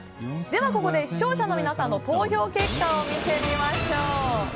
ここで視聴者の皆さんの投票結果を見てみましょう。